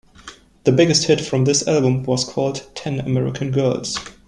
The biggest hit from this album was called "Ten American Girls".